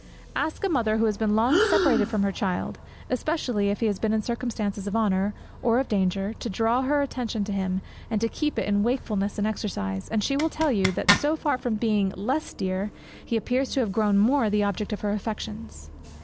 Ask a mother who has been long separated from her child, especially if he has been in circumstances of honour, or of danger, to draw her attention to him, and to keep it in wakefulness and exercise, and she will tell you, that so far from becoming less dear, he appears to have grown more the object of her affections.